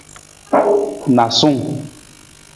Naasung.